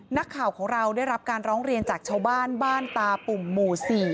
นักข่าวของเราได้รับการร้องเรียนจากชาวบ้านบ้านตาปุ่มหมู่๔